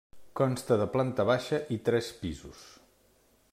Consta de planta baixa i tres pisos.